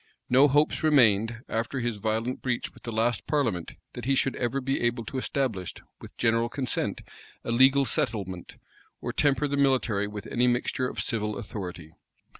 No hopes remained, after his violent breach with the last parliament, that he should ever be able to establish, with general consent, a legal settlement, or temper the military with any mixture of civil authority.